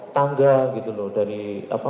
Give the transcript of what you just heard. tangga gitu loh dari apa